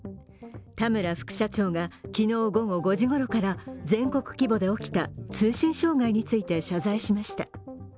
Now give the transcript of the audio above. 田村副社長が昨日午後５時ごろから全国規模で起きた通信障害について謝罪しました。